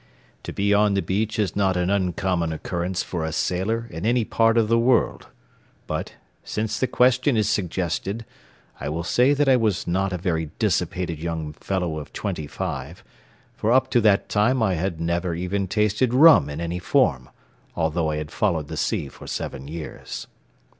To be on the beach is not an uncommon occurrence for a sailor in any part of the world; but, since the question is suggested, I will say that I was not a very dissipated young fellow of twenty five, for up to that time I had never even tasted rum in any form, although I had followed the sea for seven years.